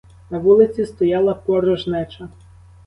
На вулиці стояла порожнеча.